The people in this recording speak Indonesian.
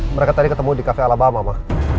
mereka tadi ketemu di cafe alabama ma